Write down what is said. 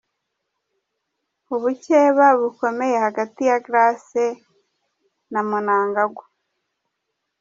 Ubukeba bukomeye hagati ya Grace na Mnangagwa